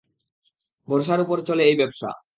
ভরসার উপরে চলে এই ব্যবসা!